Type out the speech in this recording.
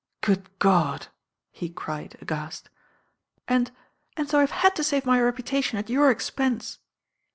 Good God I" he cried aghast. And and so IVe had to save my reputation at^your expense."